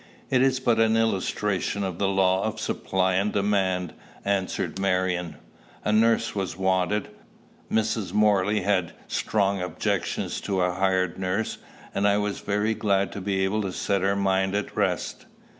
"It is but an illustration of the law of supply and demand," answered Marion. "A nurse was wanted; Mrs. Morley had strong objections to a hired nurse, and I was very glad to be able to set her mind at rest."